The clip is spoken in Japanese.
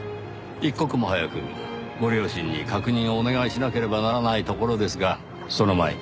一刻も早くご両親に確認をお願いしなければならないところですがその前に。